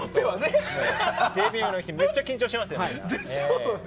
デビューの日めっちゃ緊張しますよね。